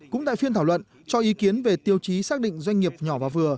cũng tại phiên thảo luận cho ý kiến về tiêu chí xác định doanh nghiệp nhỏ và vừa